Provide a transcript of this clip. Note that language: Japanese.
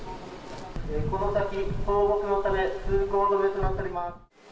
この先、倒木のため通行止めとなっております。